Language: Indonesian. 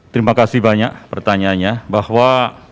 terima kasih banyak pertanyaannya bahwa